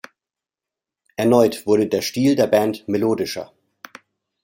Erneut wurde der Stil der Band melodischer.